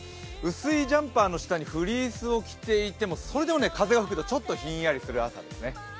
薄いジャンパーの下にフリースを着ていても、それでも風が吹くとちょっとひんやりとする朝ですね。